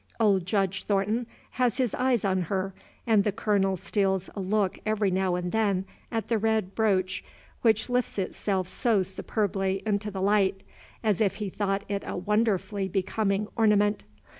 Old Judge Thornton has his eyes on her, and the Colonel steals a look every now and then at the red brooch which lifts itself so superbly into the light, as if he thought it a wonderfully becoming ornament.